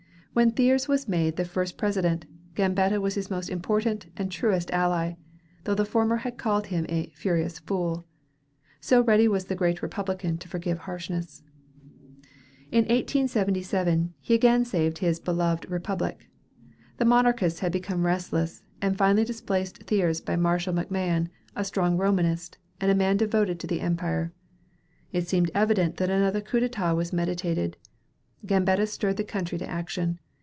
When Thiers was made the first President, Gambetta was his most important and truest ally, though the former had called him "a furious fool"; so ready was the Great Republican to forgive harshness. In 1877 he again saved his beloved Republic. The Monarchists had become restless, and finally displaced Thiers by Marshal MacMahon, a strong Romanist, and a man devoted to the Empire. It seemed evident that another coup d'état was meditated. Gambetta stirred the country to action.